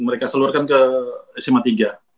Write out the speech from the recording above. mereka seluruh kan ke sma tiga